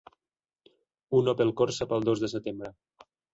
Un Opel Corsa pel dos de setembre.